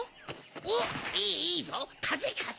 おっいいぞ！かせかせ！